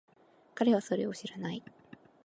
彼はそれを知らない。